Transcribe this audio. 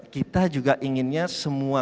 kita juga inginnya semua